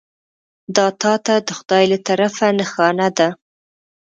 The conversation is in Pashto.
دا تا ته د خدای له طرفه نښانه ده .